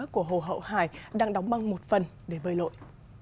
của hồ hậu hải đang đóng băng một phần để bơi lội